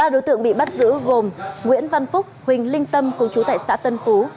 ba đối tượng bị bắt giữ gồm nguyễn văn phúc huỳnh linh tâm cùng chú tại xã tân phú